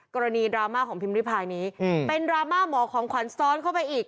กรณีดราม่าของพิมพ์ริพายนี้เป็นดราม่าหมอของขวัญซ้อนเข้าไปอีก